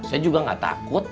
saya juga nggak takut